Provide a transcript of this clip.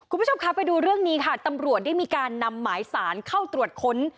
คุณผู้ชมคะไปดูเรื่องนี้ค่ะตำรวจได้มีการนำหมายสารเข้าตรวจค้น